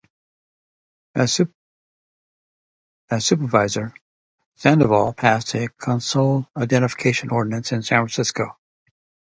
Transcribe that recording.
As Supervisor, Sandoval passed a consular identification ordinance in San Francisco.